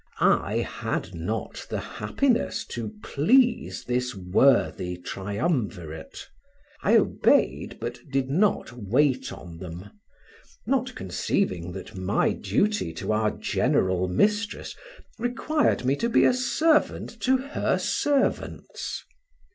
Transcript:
I had not the happiness to please this worthy triumvirate; I obeyed, but did not wait on them, not conceiving that my duty to our general mistress required me to be a servant to her servants.